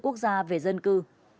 quốc gia về dân cư